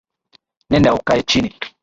Nenda ukae chini